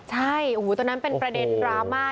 ใช่โอ้โหตอนนั้นเป็นประเด็นดราม่า